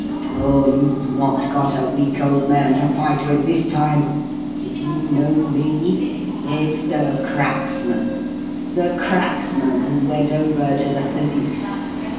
Oh, you've not got a weak old man to fight with this time! Do you know me? It's the 'cracksman' the 'cracksman' who went over to the police.